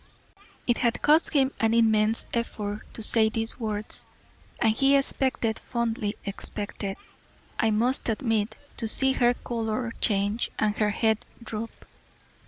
It had cost him an immense effort to say these words, and he expected, fondly expected, I must admit, to see her colour change and her head droop.